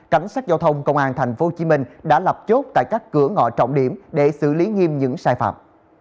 cảnh sát giao thông công an tp hcm đã lập chốt tại các cửa ngõ trọng điểm để xử lý nghiêm những sai phạm